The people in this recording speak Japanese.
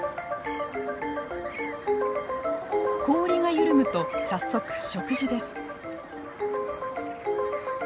氷が緩むと早速食事です。